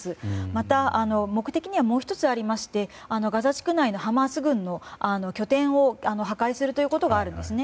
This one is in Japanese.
また、目的にはもう１つありましてガザ地区内のハマス軍の拠点を破壊するということがあるんですね。